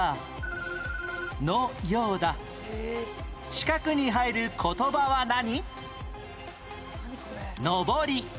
四角に入る言葉は何？